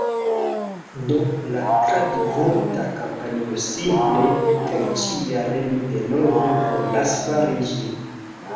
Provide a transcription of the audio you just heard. Do, la kradvorta kampanjo simple kaj ĉi-jare mi denove volas fari ĝin